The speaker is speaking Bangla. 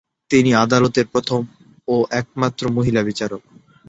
তিনি আদালতের প্রথম ও একমাত্র মহিলা বিচারক।